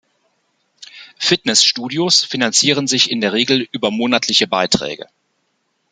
Fitnessstudios finanzieren sich in der Regel über monatliche Beiträge.